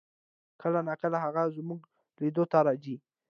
کله نا کله هغه زمونږ لیدو ته راځي